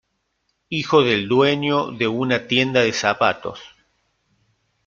Hijo del dueño de una tienda de zapatos.